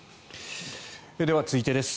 では、続いてです。